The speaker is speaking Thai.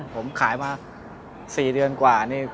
ผมขายมา๔เดือนกว่านี่